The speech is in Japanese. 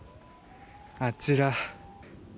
あちら。